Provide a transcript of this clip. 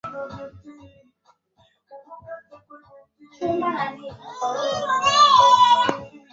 Anachukiwa kwa sababu ya tabia zake mbovu